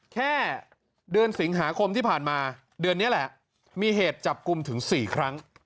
แค่เดือนสิงหาคมที่ผ่านมาเดือนนี้แหละมีเหตุจับกลุ่มถึง๔ครั้ง